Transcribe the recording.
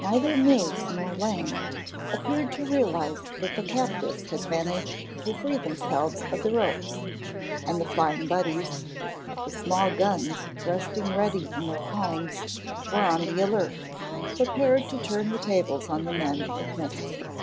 Neither Mills nor Lang appeared to realize that the captives had managed to free themselves of the ropes, and the Flying Buddies, the small guns resting ready in their palms, were on the alert, prepared to turn the tables on the men if necessary.